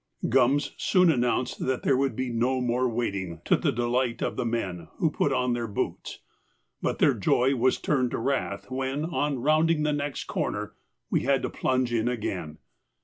Gums soon announced that there would be no more wading, to the delight of the men, who put on their boots; but their joy was turned to wrath when, on rounding the next corner, we had to plunge in again.